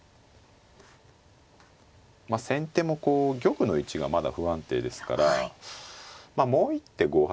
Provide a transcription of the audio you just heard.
先手もこう玉の位置がまだ不安定ですからもう一手５八